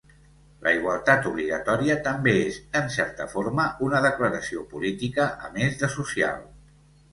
La igualtat obligatòria també és, en certa forma, una declaració política a més de social.